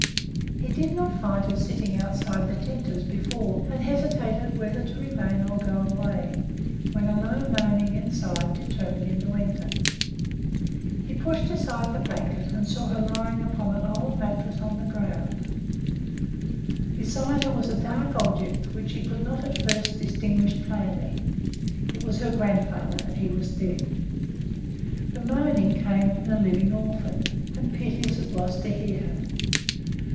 He did not find her sitting outside the tent as before, and hesitated whether to remain or go away, when a low moaning inside determined him to enter. He pushed aside the blanket, and saw her lying upon an old mattress on the ground; beside her was a dark object, which he could not at first distinguish plainly. It was her grandfather, and he was dead. The moaning came from the living orphan, and piteous it was to hear her.